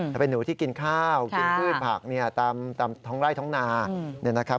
ถ้าเป็นหนูที่กินข้าวกินพืชผักตามท้องไร่ท้องนา